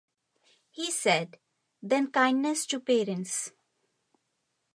He said, 'Then kindness to parents.